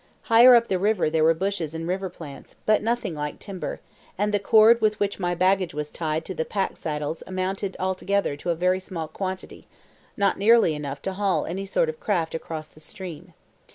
Higher up the river there were bushes and river plants, but nothing like timber; and the cord with which my baggage was tied to the pack saddles amounted altogether to a very small quantity, not nearly enough to haul any sort of craft across the stream.